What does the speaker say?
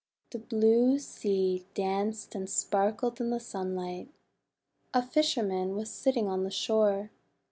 The blue sea danced and sparkled in the sunlight. A fisherman was sitting on the shore.